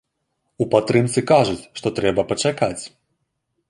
У падтрымцы кажуць, што трэба пачакаць.